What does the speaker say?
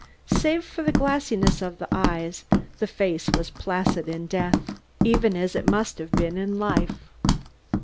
Save for the glassiness of the eyes the face was placid in death, even as it must have been in life.